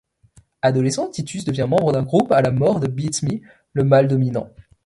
Adolescent, Titus devient membre d'un groupe à la mort de Beetsme, le mâle dominant.